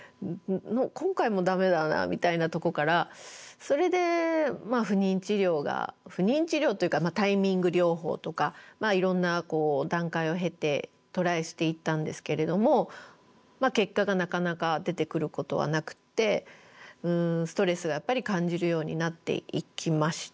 今回もダメだなみたいなとこからそれで不妊治療が不妊治療というかタイミング療法とかいろんな段階を経てトライしていったんですけれども結果がなかなか出てくることはなくってストレスがやっぱり感じるようになっていきました。